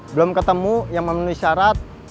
belum ketemu yang memenuhi syarat